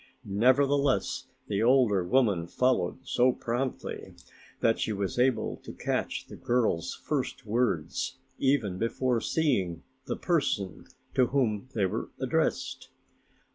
Nevertheless, the older woman followed so promptly that she was able to catch the girl's first words even before seeing the person to whom they were addressed.